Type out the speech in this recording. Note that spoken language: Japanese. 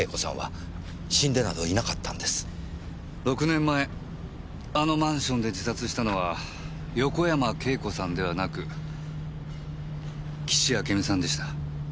６年前あのマンションで自殺したのは横山慶子さんではなく岸あけみさんでした。